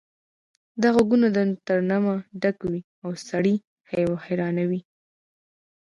دا غږونه له ترنمه ډک وي او سړی حیرانوي